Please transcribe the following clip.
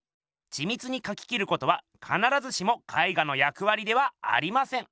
ちみつにかき切ることはかならずしも絵画の役わりではありません！